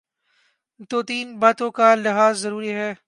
تو تین باتوں کا لحاظ ضروری ہے۔